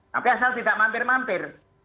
tapi asal tidak mampir mampir